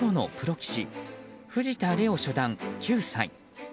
棋士藤田怜央初段、９歳。